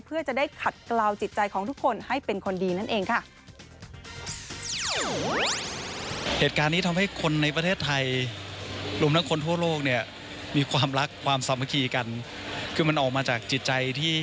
เพื่อจะได้ขัดกล่าวจิตใจของทุกคนให้เป็นคนดีนั่นเองค่ะ